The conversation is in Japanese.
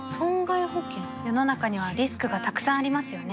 世の中にはリスクがたくさんありますよね